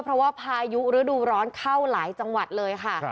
เพราะว่าพายุฤดูร้อนเข้าหลายจังหวัดเลยค่ะ